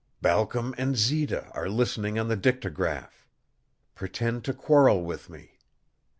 "Balcom and Zita are listening on the dictagraph. Pretend to quarrel with me."